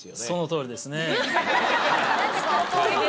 そのとおりですね。